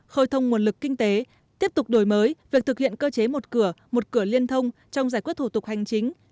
khơi thông nguồn lực kinh tế tiếp tục đổi mới việc thực hiện cơ chế một cửa một cửa liên thông trong giải quyết thủ tục hành chính